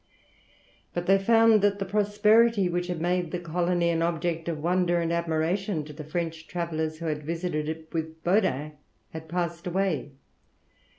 But they found that the prosperity which had made the colony an object of wonder and admiration to the French travellers who had visited it with Baudin, had passed away.